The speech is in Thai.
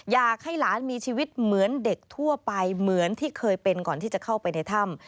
อยากให้หลานมีชีวิตเหมือนเด็กทั่วไปเหมือนที่เคยเป็นก่อนที่จะเข้าไปในถ้ำ